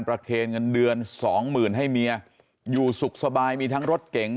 เคนเงินเดือนสองหมื่นให้เมียอยู่สุขสบายมีทั้งรถเก๋ง